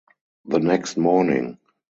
The next morning.